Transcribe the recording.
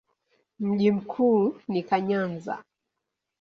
Mji mkuu ni Kayanza.